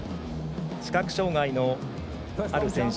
視覚障がいのある選手